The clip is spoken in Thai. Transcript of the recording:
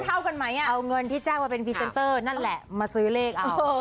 เท่ากันไหมอะเอาเงินที่จ้างมาเป็นนั่นแหละมาซื้อเลข